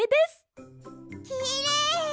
きれい！